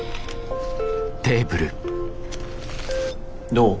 どう？